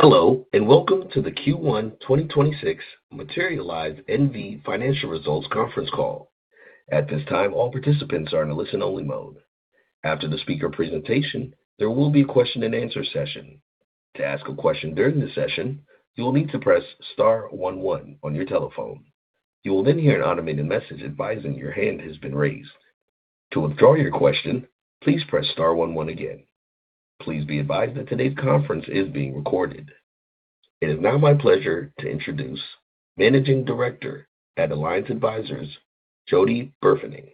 Hello, and Welcome to the Q1 2026 Materialise NV Financial Results Conference Call. At this time, all participants are in a listen-only mode. After the speaker presentation, there will be a question and answer session. To ask a question there in the session you need to press star one one on your telephone, you'll then hear a mini-message advising your hand has been raised to enter your question please press star one one again . Please be advised that today's conference is being recorded. It is now my pleasure to introduce Managing Director at Alliance Advisors, Jody Burfening.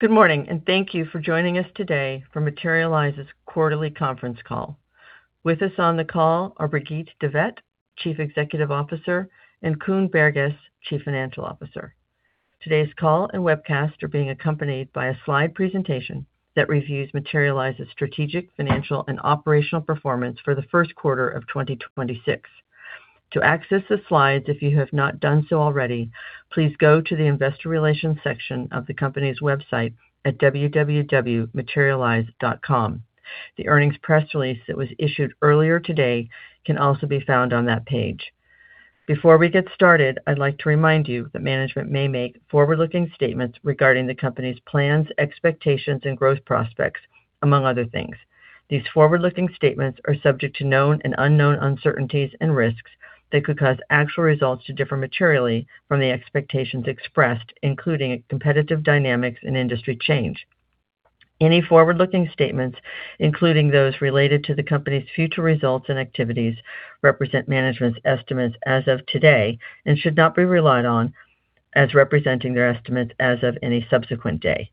Good morning. Thank you for joining us today for Materialise's quarterly conference call. With us on the call are Brigitte de Vet, Chief Executive Officer, and Koen Berges, Chief Financial Officer. Today's call and webcast are being accompanied by a slide presentation that reviews Materialise's strategic, financial, and operational performance for the first quarter of 2026. To access the slides, if you have not done so already, please go to the investor relations section of the company's website at www.materialise.com. The earnings press release that was issued earlier today can also be found on that page. Before we get started, I'd like to remind you that management may make forward-looking statements regarding the company's plans, expectations, and growth prospects, among other things. These forward-looking statements are subject to known and unknown uncertainties and risks that could cause actual results to differ materially from the expectations expressed, including competitive dynamics and industry change. Any forward-looking statements, including those related to the company's future results and activities, represent management's estimates as of today and should not be relied on as representing their estimates as of any subsequent day.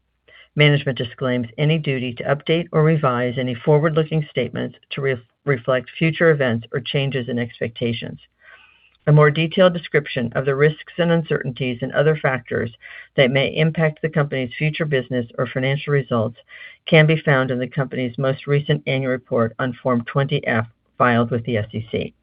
Management disclaims any duty to update or revise any forward-looking statements to reflect future events or changes in expectations. A more detailed description of the risks and uncertainties and other factors that may impact the company's future business or financial results can be found in the company's most recent annual report on Form 20-F filed with the SEC.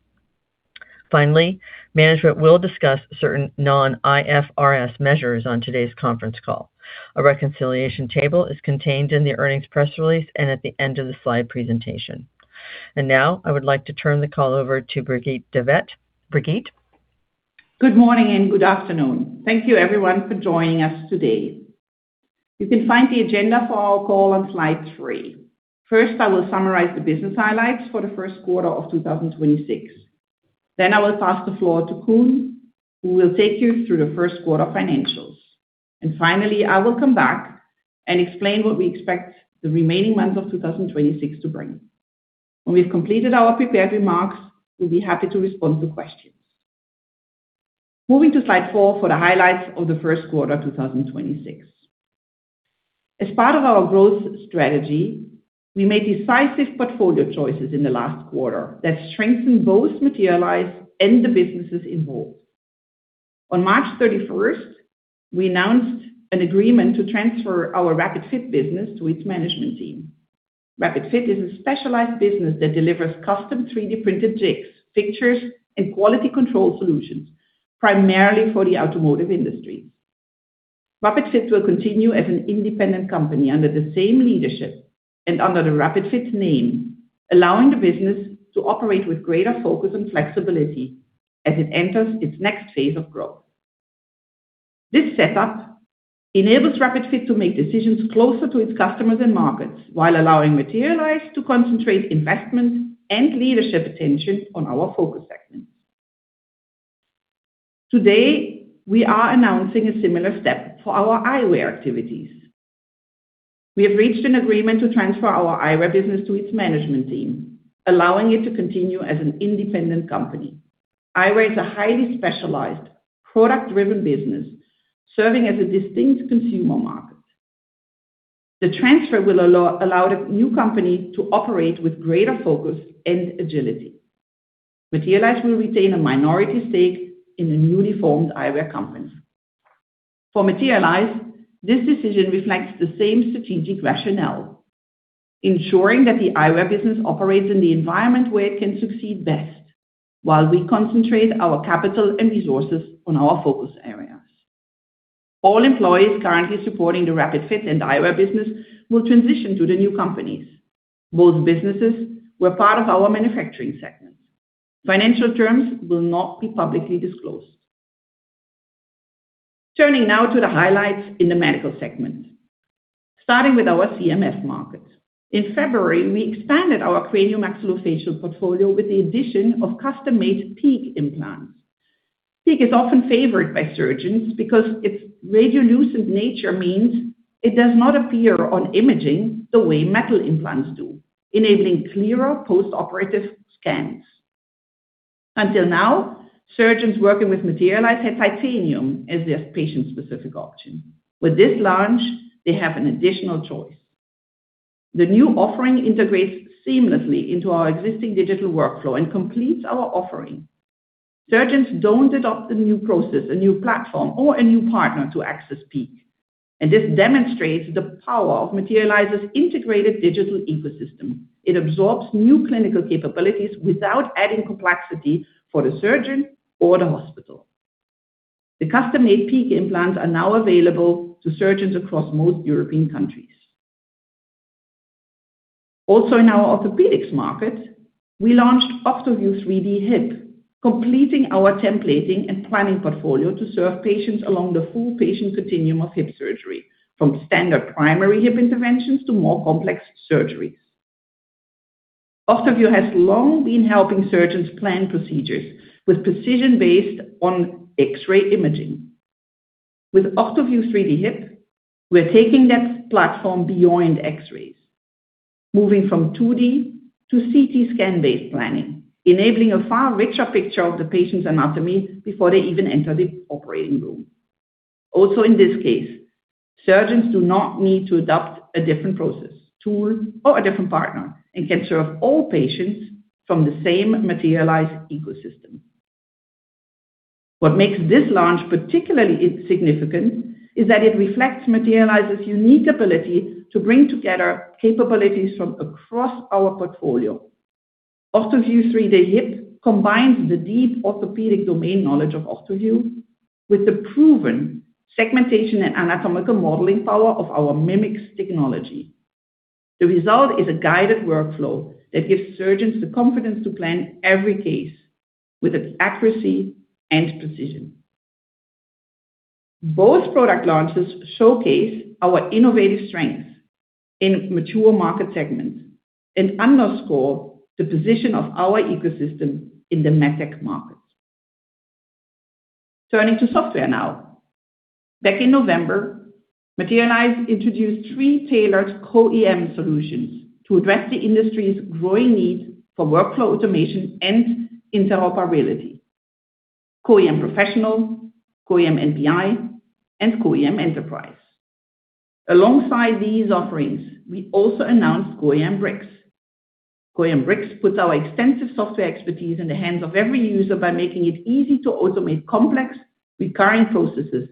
Finally, management will discuss certain non-IFRS measures on today's conference call. A reconciliation table is contained in the earnings press release and at the end of the slide presentation. Now I would like to turn the call over to Brigitte de Vet. Brigitte? Good morning and good afternoon. Thank you everyone for joining us today. You can find the agenda for our call on slide three. First, I will summarize the business highlights for the first quarter of 2026. I will pass the floor to Koen, who will take you through the first quarter financials. Finally, I will come back and explain what we expect the remaining months of 2026 to bring. When we've completed our prepared remarks, we'll be happy to respond to questions. Moving to slide four for the highlights of the first quarter 2026. As part of our growth strategy, we made decisive portfolio choices in the last quarter that strengthened both Materialise and the businesses involved. On March 31st, we announced an agreement to transfer our RapidFit business to its management team. RapidFit is a specialized business that delivers custom 3D-printed jigs, fixtures, and quality control solutions primarily for the automotive industry. RapidFit will continue as an independent company under the same leadership and under the RapidFit name, allowing the business to operate with greater focus and flexibility as it enters its next phase of growth. This setup enables RapidFit to make decisions closer to its customers and markets while allowing Materialise to concentrate investments and leadership attention on our focus segments. Today, we are announcing a similar step for our Eyewear activities. We have reached an agreement to transfer our Eyewear business to its management team, allowing it to continue as an independent company. Eyewear is a highly specialized product-driven business serving as a distinct consumer market. The transfer will allow the new company to operate with greater focus and agility. Materialise will retain a minority stake in the newly formed Eyewear company. For Materialise, this decision reflects the same strategic rationale, ensuring that the Eyewear business operates in the environment where it can succeed best while we concentrate our capital and resources on our focus areas. All employees currently supporting the RapidFit and Eyewear business will transition to the new companies. Both businesses were part of our manufacturing segment. Financial terms will not be publicly disclosed. Turning now to the highlights in the medical segment. Starting with our CMF market. In February, we expanded our cranio-maxillofacial portfolio with the addition of custom-made PEEK implants. PEEK is often favored by surgeons because its radiolucent nature means it does not appear on imaging the way metal implants do, enabling clearer post-operative scans. Until now, surgeons working with Materialise had titanium as their patient-specific option. With this launch, they have an additional choice. The new offering integrates seamlessly into our existing digital workflow and completes our offering. Surgeons don't adopt a new process, a new platform, or a new partner to access PEEK. This demonstrates the power of Materialise's integrated digital ecosystem. It absorbs new clinical capabilities without adding complexity for the surgeon or the hospital. The custom-made PEEK implants are now available to surgeons across most European countries. In our orthopedics market, we launched OrthoView 3D Hip, completing our templating and planning portfolio to serve patients along the full patient continuum of hip surgery, from standard primary hip interventions to more complex surgeries. OrthoView has long been helping surgeons plan procedures with precision based on X-ray imaging. With OrthoView 3D Hip, we're taking that platform beyond X-rays, moving from 2D to CT scan-based planning, enabling a far richer picture of the patient's anatomy before they even enter the operating room. In this case, surgeons do not need to adopt a different process, tool, or a different partner, and can serve all patients from the same Materialise ecosystem. What makes this launch particularly significant is that it reflects Materialise's unique ability to bring together capabilities from across our portfolio. OrthoView 3D Hip combines the deep orthopedic domain knowledge of OrthoView with the proven segmentation and anatomical modeling power of our Mimics technology. The result is a guided workflow that gives surgeons the confidence to plan every case with its accuracy and precision. Both product launches showcase our innovative strength in mature market segments and underscore the position of our ecosystem in the MedTech market. Turning to software now. Back in November, Materialise introduced three tailored CO-AM solutions to address the industry's growing need for workflow automation and interoperability. CO-AM Professional, CO-AM NPI, and CO-AM Enterprise. Alongside these offerings, we also announced CO-AM Brix. CO-AM Brix puts our extensive software expertise in the hands of every user by making it easy to automate complex, recurring processes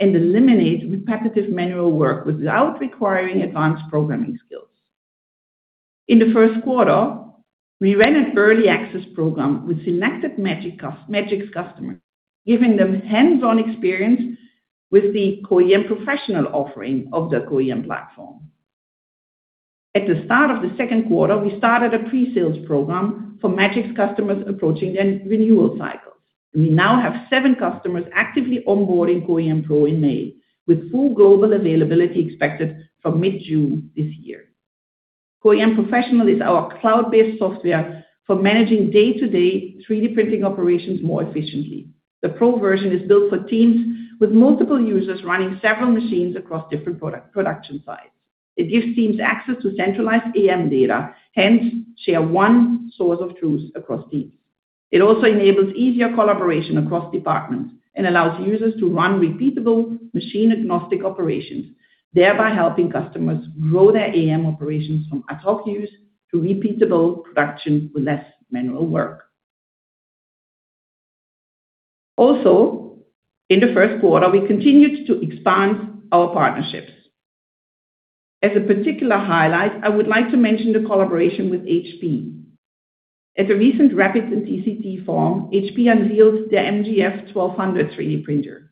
and eliminate repetitive manual work without requiring advanced programming skills. In the first quarter, we ran an early access program with selected Magics customers, giving them hands-on experience with the CO-AM Professional offering of the CO-AM platform. At the start of the second quarter, we started a pre-sales program for Magics customers approaching their renewal cycles. We now have seven customers actively onboarding CO-AM Pro in May, with full global availability expected for mid-June this year. CO-AM Professional is our cloud-based software for managing day-to-day 3D printing operations more efficiently. The Pro version is built for teams with multiple users running several machines across different production sites. It gives teams access to centralized AM data, hence share one source of truth across teams. It also enables easier collaboration across departments and allows users to run repeatable machine-agnostic operations, thereby helping customers grow their AM operations from ad hoc use to repeatable production with less manual work. Also, in the first quarter, we continued to expand our partnerships. As a particular highlight, I would like to mention the collaboration with HP. At the recent RAPID + TCT forum, HP unveiled their MJF 1200 3D printer.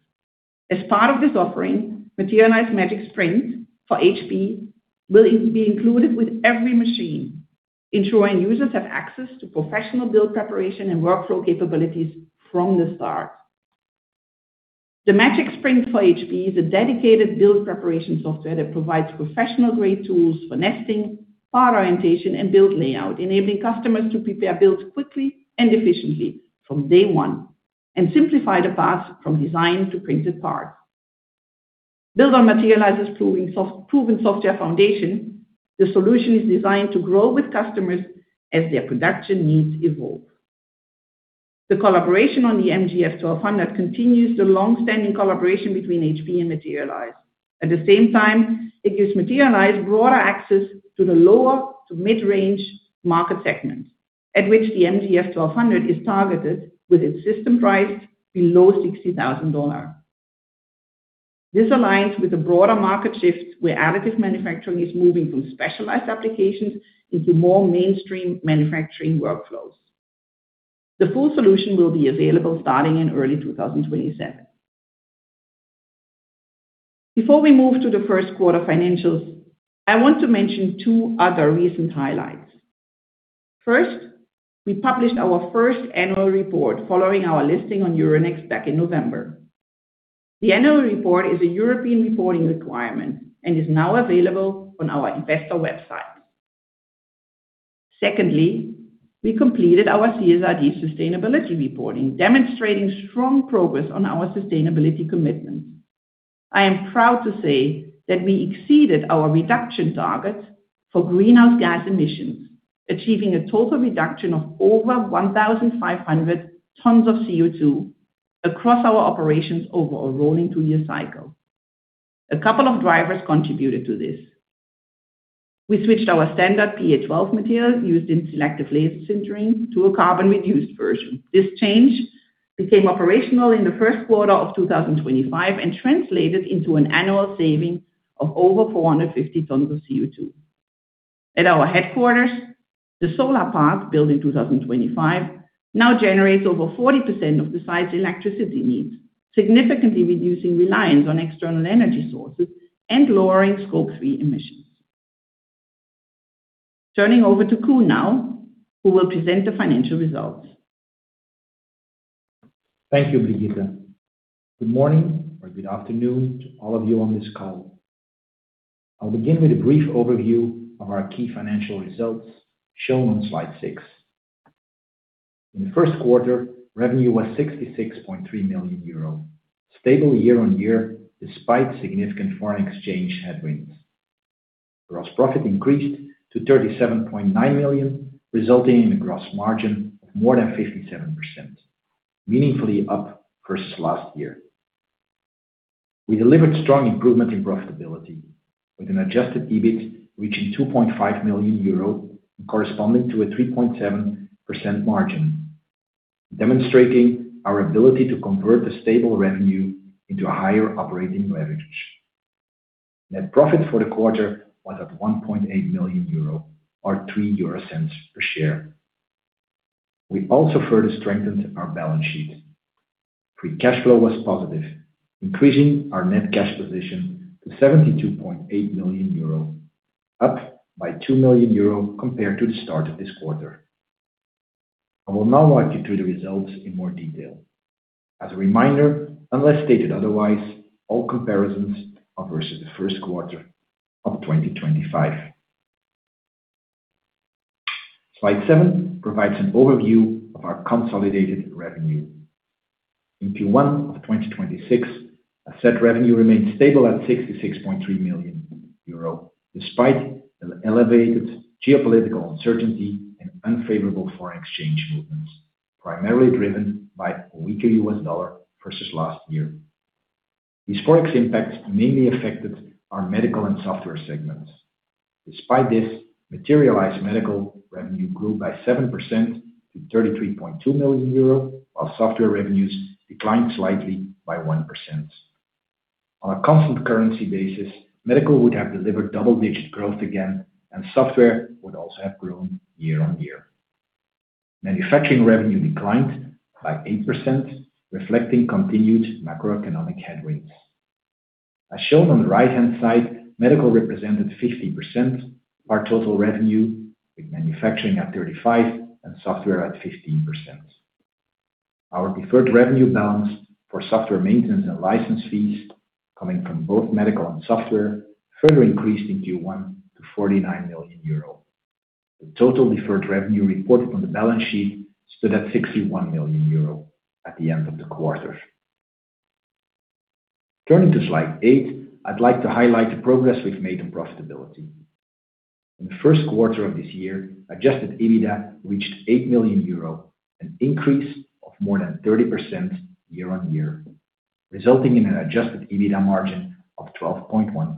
As part of this offering, Materialise Magics Print for HP will be included with every machine, ensuring users have access to professional build preparation and workflow capabilities from the start. The Magics Print for HP is a dedicated build preparation software that provides professional-grade tools for nesting, part orientation, and build layout, enabling customers to prepare builds quickly and efficiently from day one and simplify the path from design to printed parts. Built on Materialise's proven software foundation, the solution is designed to grow with customers as their production needs evolve. The collaboration on the MJF 1200 continues the long-standing collaboration between HP and Materialise. At the same time, it gives Materialise broader access to the lower to mid-range market segments at which the MJF 1200 is targeted with its system price below EUR 60,000. This aligns with the broader market shift where additive manufacturing is moving from specialized applications into more mainstream manufacturing workflows. The full solution will be available starting in early 2027. Before we move to the first quarter financials, I want to mention two other recent highlights. First, we published our first annual report following our listing on Euronext back in November. The annual report is a European reporting requirement and is now available on our investor website. Secondly, we completed our CSRD sustainability reporting, demonstrating strong progress on our sustainability commitments. I am proud to say that we exceeded our reduction target for greenhouse gas emissions, achieving a total reduction of over 1,500 tons of CO2 across our operations over a rolling two-year cycle. A couple of drivers contributed to this. We switched our standard PA 12 material used in selective laser sintering to a carbon-reduced version. This change became operational in the first quarter of 2025 and translated into an annual saving of over 450 tons of CO2. At our headquarters, the solar park built in 2025 now generates over 40% of the site's electricity needs, significantly reducing reliance on external energy sources and lowering scope three emissions. Turning over to Koen now, who will present the financial results. Thank you, Brigitte. Good morning or good afternoon to all of you on this call. I'll begin with a brief overview of our key financial results shown on slide six. In the first quarter, revenue was 66.3 million euro, stable year-over-year despite significant foreign exchange headwinds. Gross profit increased to 37.9 million, resulting in a gross margin of more than 57%, meaningfully up versus last year. We delivered strong improvement in profitability, with an Adjusted EBIT reaching 2.5 million euro, corresponding to a 3.7% margin, demonstrating our ability to convert the stable revenue into a higher operating leverage. Net profit for the quarter was at 1.8 million euro, or 0.03 per share. We also further strengthened our balance sheet. Free cash flow was positive, increasing our net cash position to 72.8 million euro, up by 2 million euro compared to the start of this quarter. I will now walk you through the results in more detail. As a reminder, unless stated otherwise, all comparisons are versus the first quarter of 2025. Slide seven provides an overview of our consolidated revenue. In Q1 of 2026, asset revenue remained stable at 66.3 million euro, despite an elevated geopolitical uncertainty and unfavorable foreign exchange movements, primarily driven by a weaker U.S. dollar versus last year. These Forex impacts mainly affected our Medical and Software segments. Despite this, Materialise Medical revenue grew by 7% to 33.2 million euro, while Software revenues declined slightly by 1%. On a constant currency basis, Medical would have delivered double-digit growth again, and Software would also have grown year-on-year. Manufacturing revenue declined by 8%, reflecting continued macroeconomic headwinds. As shown on the right-hand side, Medical represented 15% of our total revenue, with Manufacturing at 35 and Software at 15%. Our deferred revenue balance for Software maintenance and license fees coming from both Medical and Software further increased in Q1 to 49 million euro. The total deferred revenue reported on the balance sheet stood at 61 million euro at the end of the quarter. Turning to slide eight, I'd like to highlight the progress we've made on profitability. In the first quarter of this year, Adjusted EBITDA reached 8 million euro, an increase of more than 30% year-on-year, resulting in an Adjusted EBITDA margin of 12.1%.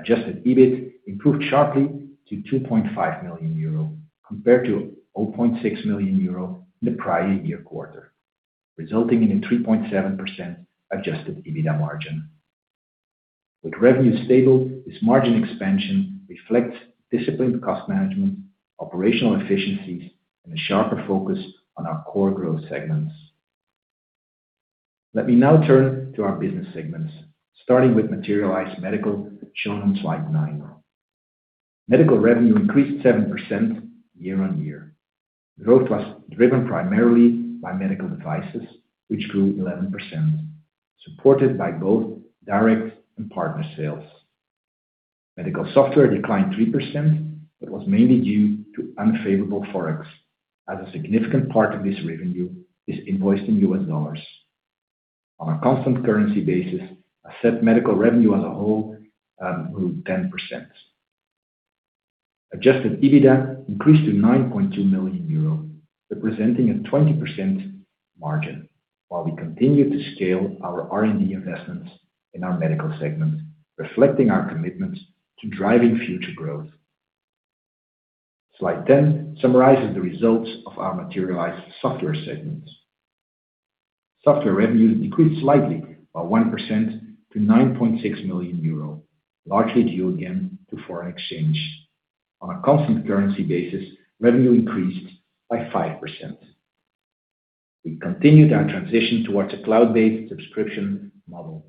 Adjusted EBIT improved sharply to 2.5 million euro compared to 0.6 million euro in the prior year quarter, resulting in a 3.7% Adjusted EBITDA margin. With revenue stable, this margin expansion reflects disciplined cost management, operational efficiencies, and a sharper focus on our core growth segments. Let me now turn to our business segments, starting with Materialise Medical shown on slide nine. Medical revenue increased 7% year-on-year. Growth was driven primarily by medical devices, which grew 11%, supported by both direct and partner sales. Medical software declined 3% but was mainly due to unfavorable Forex, as a significant part of this revenue is invoiced in USD. On a constant currency basis, asset medical revenue as a whole grew 10%. Adjusted EBITDA increased to 9.2 million euro, representing a 20% margin while we continued to scale our R&D investments in our Medical segment, reflecting our commitment to driving future growth. Slide 10 summarizes the results of our Materialise Software segment. Software revenue decreased slightly by 1% to 9.6 million euro, largely due again to Forex. On a constant currency basis, revenue increased by 5%. We continued our transition towards a cloud-based subscription model.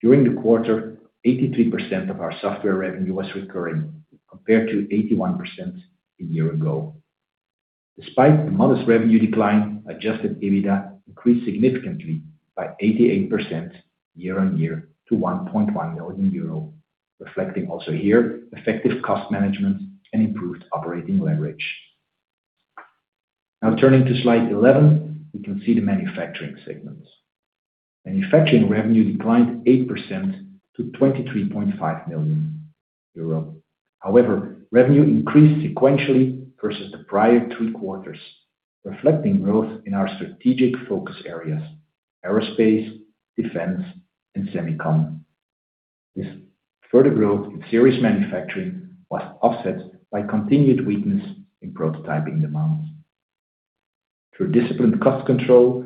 During the quarter, 83% of our software revenue was recurring compared to 81% a year ago. Despite the modest revenue decline, Adjusted EBITDA increased significantly by 88% year-on-year to 1.1 million euro, reflecting also here effective cost management and improved operating leverage. Turning to slide 11, we can see the Manufacturing segment. Manufacturing revenue declined 8% to 23.5 million euro. However, revenue increased sequentially versus the prior three quarters, reflecting growth in our strategic focus areas, aerospace, defense, and semiconductor. This further growth in series manufacturing was offset by continued weakness in prototyping demand. Through disciplined cost control,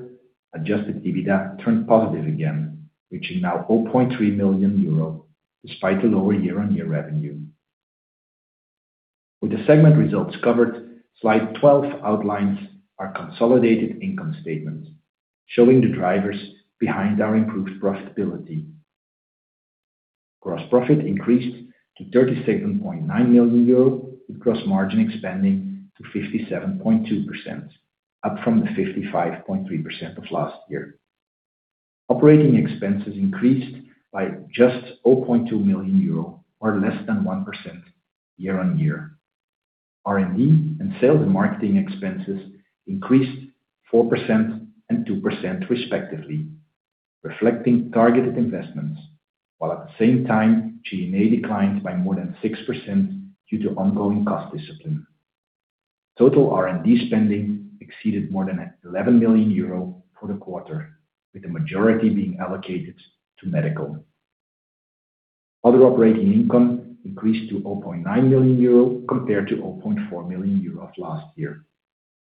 Adjusted EBITDA turned positive again, reaching now 0.3 million euro despite the lower year-on-year revenue. With the segment results covered, slide 12 outlines our consolidated income statement, showing the drivers behind our improved profitability. Gross profit increased to 37.9 million euro, with Gross margin expanding to 57.2%, up from the 55.3% of last year. Operating expenses increased by just 0.2 million euro, or less than 1% year-on-year. R&D and sales and marketing expenses increased 4% and 2% respectively, reflecting targeted investments, while at the same time, G&A declined by more than 6% due to ongoing cost discipline. Total R&D spending exceeded more than 11 million euro for the quarter, with the majority being allocated to medical. Other operating income increased to 0.9 million euro compared to 0.4 million euro of last year.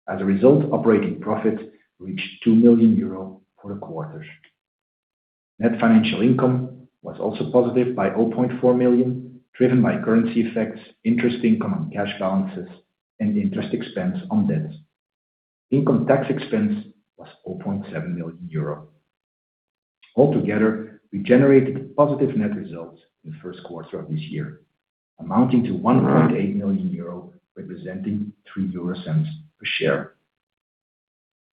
As a result, operating profit reached 2 million euro for the quarter. Net financial income was also positive by 0.4 million, driven by currency effects, interest income on cash balances, and interest expense on debt. Income tax expense was 0.7 million euro. Altogether, we generated a positive net result in the first quarter of this year, amounting to 1.8 million euro, representing 0.03 per share.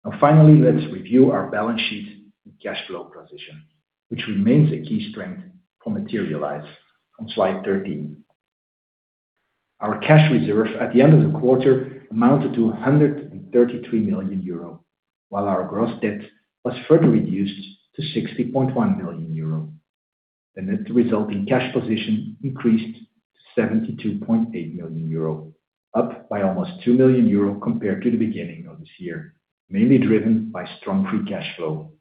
Now, finally, let's review our balance sheet and cash flow position, which remains a key strength for Materialise on slide 13. Our cash reserve at the end of the quarter amounted to 133 million euro, while our gross debt was further reduced to 60.1 million euro. The net resulting cash position increased to 72.8 million euro, up by almost 2 million euro compared to the beginning of this year, mainly driven by strong free cash flow.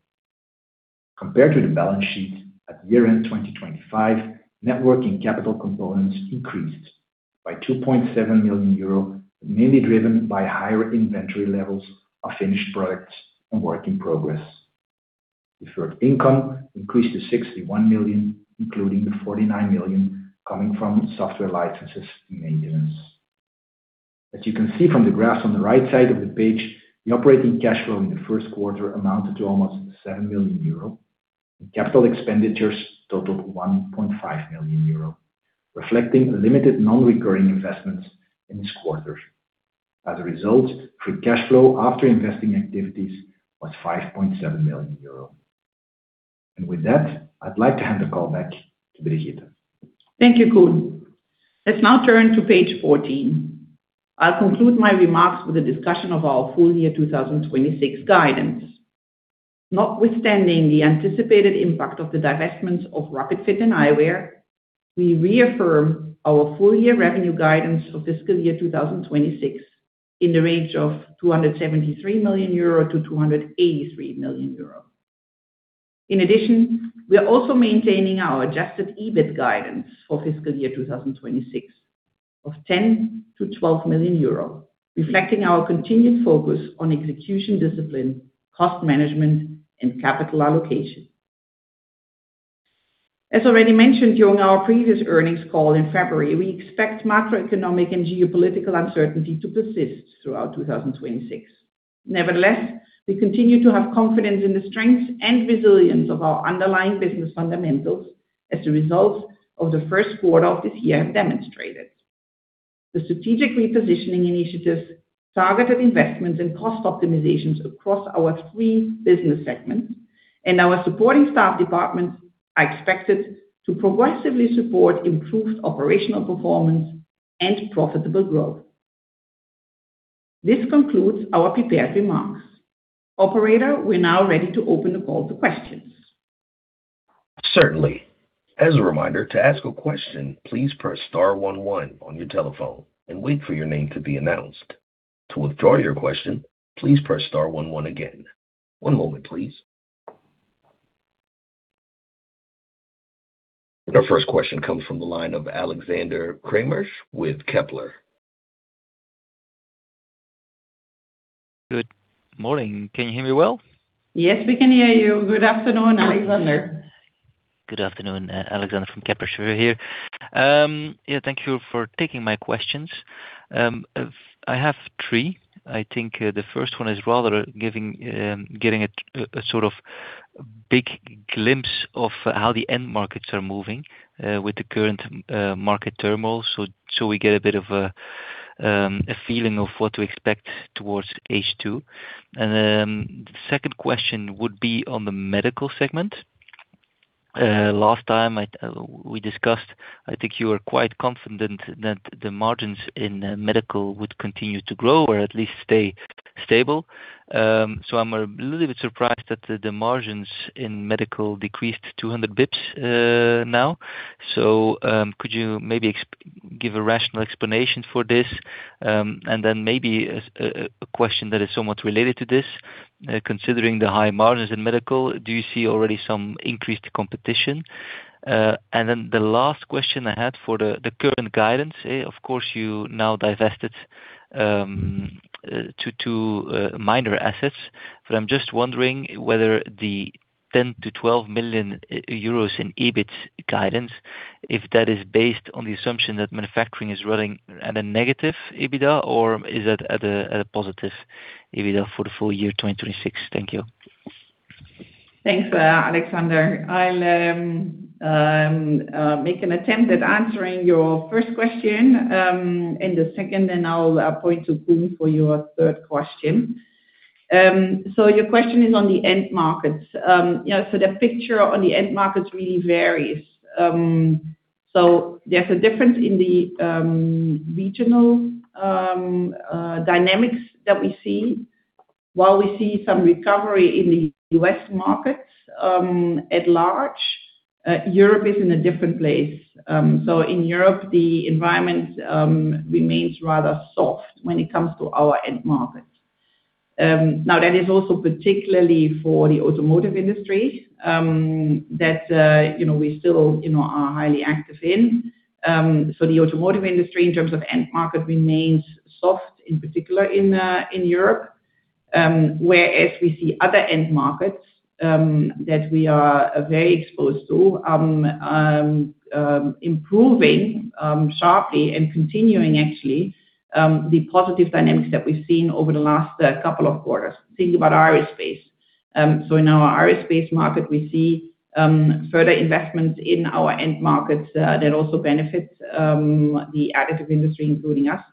Compared to the balance sheet at year-end 2025, net working capital components increased by 2.7 million euro, mainly driven by higher inventory levels of finished products and work in progress. Deferred income increased to 61 million, including the 49 million coming from software licenses and maintenance. As you can see from the graph on the right side of the page, the operating cash flow in the first quarter amounted to almost 7 million euro, and capital expenditures totaled 1.5 million euro, reflecting limited non-recurring investments in this quarter. As a result, free cash flow after investing activities was 5.7 million euro. With that, I'd like to hand the call back to Brigitte. Thank you, Koen. Let's now turn to page 14. I'll conclude my remarks with a discussion of our full year 2026 guidance. Notwithstanding the anticipated impact of the divestment of RapidFit and Eyewear, we reaffirm our full year revenue guidance of fiscal year 2026 in the range of 273 million-283 million euro. In addition, we are also maintaining our adjusted EBIT guidance for fiscal year 2026 of 10 million-12 million euros, reflecting our continued focus on execution discipline, cost management, and capital allocation. As already mentioned during our previous earnings call in February, we expect macroeconomic and geopolitical uncertainty to persist throughout 2026. Nevertheless, we continue to have confidence in the strength and resilience of our underlying business fundamentals as the results of the first quarter of this year have demonstrated. The strategic repositioning initiatives, targeted investments and cost optimizations across our three business segments and our supporting staff departments are expected to progressively support improved operational performance and profitable growth. This concludes our prepared remarks. Operator, we are now ready to open the call to questions. Certainly. As a reminder, to ask a question, please press star one one on your telephone and wait for your name to be announced. To withdraw your question, please press star one one again. One moment, please. Our first question comes from the line of Alexander Craeymeersch with Kepler. Good morning. Can you hear me well? Yes, we can hear you. Good afternoon, Alexander. Good afternoon. Alexander from Kepler Cheuvreux here. Thank you for taking my questions. I have three. I think the first one is rather giving a sort of big glimpse of how the end markets are moving with the current market turmoil so we get a bit of a feeling of what to expect towards H2. The second question would be on the medical segment. Last time we discussed, I think you were quite confident that the margins in medical would continue to grow or at least stay stable. I'm a little bit surprised that the margins in medical decreased 200 basis points now. Could you maybe give a rational explanation for this? Maybe a question that is somewhat related to this. Considering the high margins in medical, do you see already some increased competition? The last question I had for the current guidance. Of course, you now divested two minor assets, but I'm just wondering whether the 10 million-12 million euros in EBIT guidance, if that is based on the assumption that manufacturing is running at a negative EBITDA, or is it at a positive EBITDA for the full year 2026? Thank you. Thanks, Alexander. I'll make an attempt at answering your first question, and the second, I'll point to Koen for your third question. Your question is on the end markets. The picture on the end markets really varies. There's a difference in the regional dynamics that we see. While we see some recovery in the U.S. markets at large, Europe is in a different place. In Europe, the environment remains rather soft when it comes to our end markets. That is also particularly for the automotive industry that, you know, we still, you know, are highly active in. The automotive industry in terms of end market remains soft, in particular in Europe. Whereas we see other end markets that we are very exposed to improving sharply and continuing actually the positive dynamics that we've seen over the last couple of quarters. Think about aerospace. In our aerospace market, we see further investments in our end markets that also benefits the additive industry, including us.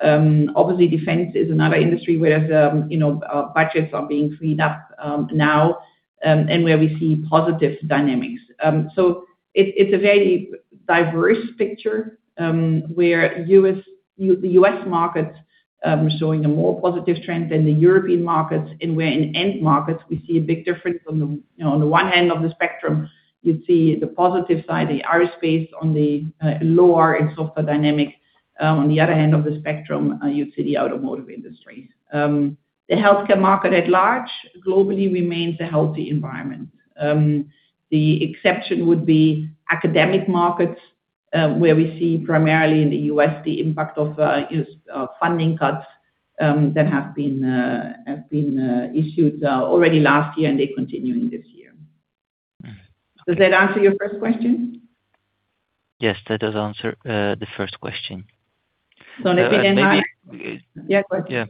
Defense is another industry whereas, you know, our budgets are being freed up now and where we see positive dynamics. It's a very diverse picture where the U.S. markets are showing a more positive trend than the European markets, and where in end markets, we see a big difference from the You know, on the one hand of the spectrum, you see the positive side, the aerospace on the lower and softer dynamic. On the other hand of the spectrum, you see the automotive industry. The healthcare market at large globally remains a healthy environment. The exception would be academic markets, where we see primarily in the U.S., the impact of, you know, funding cuts that have been issued already last year, and they're continuing this year. Does that answer your first question? Yes, that does answer the first question. Let me. Maybe- Yeah. Go ahead. Yeah.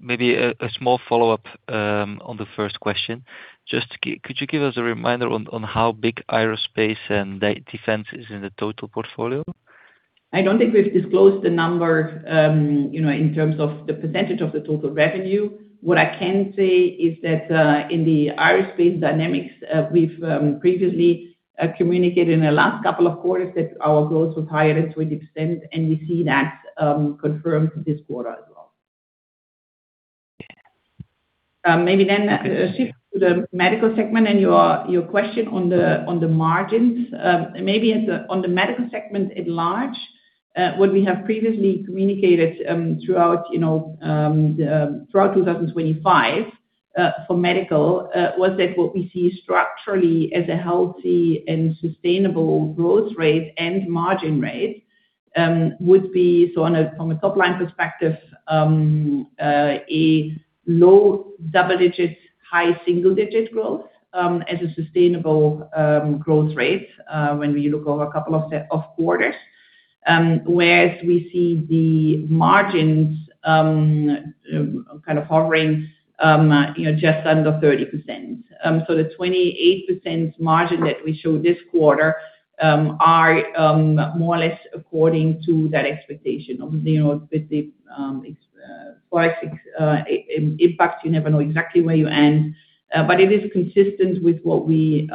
Maybe a small follow-up on the first question. Just could you give us a reminder on how big aerospace and Defense is in the total portfolio? I don't think we've disclosed the number, you know, in terms of the percentage of the total revenue. What I can say is that, in the aerospace dynamics, we've previously communicated in the last couple of quarters that our growth was higher at 20%, and we see that confirmed this quarter as well. Maybe shift to the medical segment and your question on the margins. Maybe on the medical segment at large, what we have previously communicated, throughout, you know, throughout 2025, for medical, was that what we see structurally as a healthy and sustainable growth rate and margin rate, would be so from a top-line perspective, a low double-digit, high single-digit growth, as a sustainable growth rate, when we look over a couple of quarters. Whereas we see the margins, kind of hovering, you know, just under 30%. So the 28% margin that we show this quarter, are more or less according to that expectation. Obviously, you know, with the price impact, you never know exactly where you end, but it is consistent with what we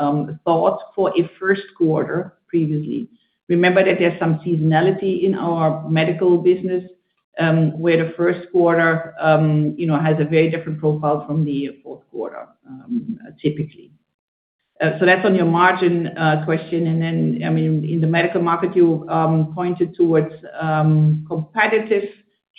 thought for a first quarter previously. Remember that there's some seasonality in our medical business, where the first quarter, you know, has a very different profile from the fourth quarter typically. That's on your margin question. I mean, in the medical market, you pointed towards competitive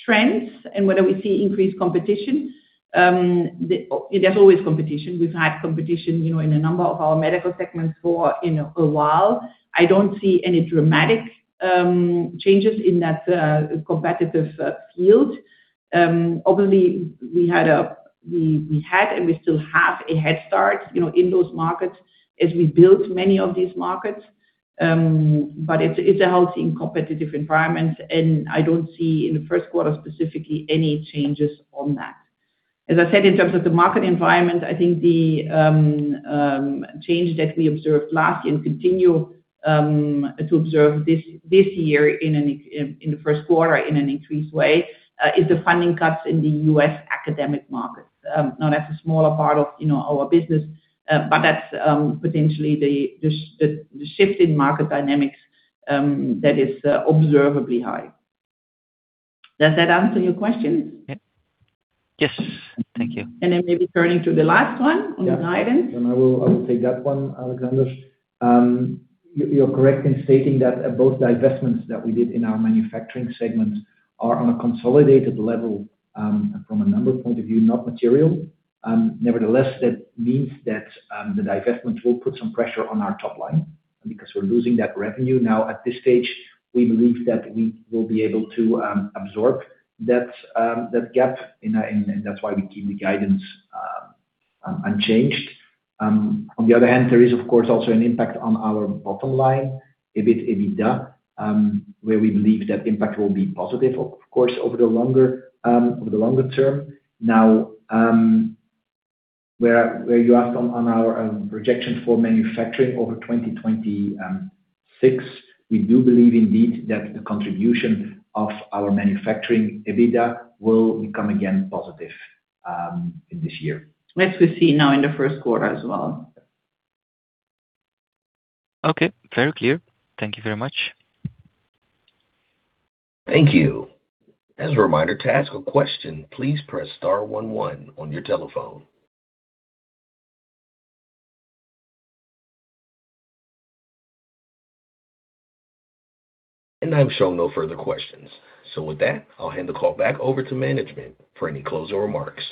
trends and whether we see increased competition. There's always competition. We've had competition, you know, in a number of our medical segments for, you know, a while. I don't see any dramatic changes in that competitive field. Obviously, we had and we still have a head start, you know, in those markets as we built many of these markets. It's a healthy and competitive environment, and I don't see in the first quarter, specifically, any changes on that. As I said, in terms of the market environment, I think the change that we observed last year and continue to observe this year in the first quarter in an increased way is the funding cuts in the U.S. academic markets. Now that's a smaller part of, you know, our business, but that's potentially the shift in market dynamics that is observably high. Does that answer your question? Yes. Thank you. Maybe turning to the last one on the guidance. I will take that one, Alexander Craeymeersch. You're correct in stating that both divestments that we did in our manufacturing segment are on a consolidated level, from a number point of view, not material. Nevertheless, that means that the divestment will put some pressure on our top line because we're losing that revenue. At this stage, we believe that we will be able to absorb that gap in, and that's why we keep the guidance unchanged. On the other hand, there is of course also an impact on our bottom line EBIT, EBITDA, where we believe that impact will be positive, of course, over the longer, over the longer term. Where you ask on our projections for manufacturing over 2026, we do believe indeed that the contribution of our manufacturing EBITDA will become again positive, in this year. As we see now in the first quarter as well. Okay, very clear. Thank you very much. Thank you. As a reminder, to ask a question, please press star one one on your telephone. I'm showing no further questions. With that, I'll hand the call back over to management for any closing remarks.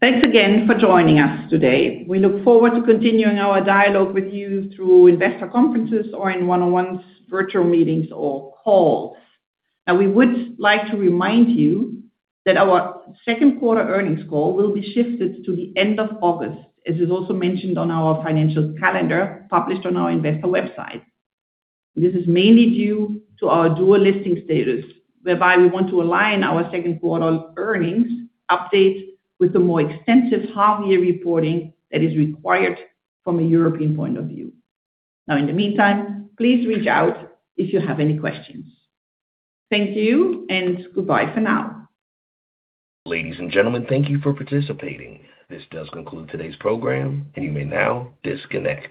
Thanks again for joining us today. We look forward to continuing our dialogue with you through investor conferences or in one-on-one virtual meetings or calls. We would like to remind you that our second quarter earnings call will be shifted to the end of August, as is also mentioned on our financial calendar published on our investor website. This is mainly due to our dual listing status, whereby we want to align our second quarter earnings update with the more extensive half year reporting that is required from a European point of view. In the meantime, please reach out if you have any questions. Thank you and goodbye for now. Ladies and gentlemen, thank you for participating. This does conclude today's program, and you may now disconnect.